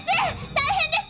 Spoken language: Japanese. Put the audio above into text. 大変です。